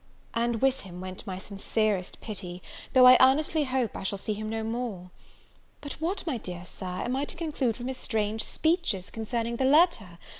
And with him went my sincerest pity, though I earnestly hope I shall see him no more. But what, my dear Sir, am I to conclude from his strange speeches concerning the letter?